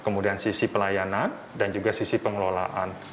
kemudian sisi pelayanan dan juga sisi pengelolaan